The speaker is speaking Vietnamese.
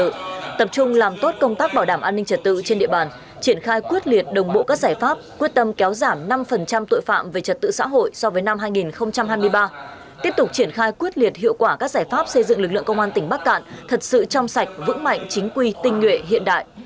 thứ trưởng nhấn mạnh công an tỉnh bắc cạn cần làm tốt công tác bảo đảm an ninh trật tự trên địa bàn triển khai quyết liệt đồng bộ các giải pháp quyết tâm kéo giảm năm tội phạm về trật tự xã hội so với năm hai nghìn hai mươi ba tiếp tục triển khai quyết liệt hiệu quả các giải pháp xây dựng lực lượng công an tỉnh bắc cạn thật sự trong sạch vững mạnh chính quy tinh nguyện hiện đại